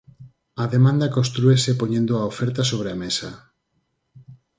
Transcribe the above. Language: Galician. A demanda constrúese poñendo a oferta sobre a mesa.